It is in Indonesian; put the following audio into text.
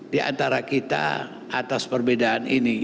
di antara kita atas perbedaan ini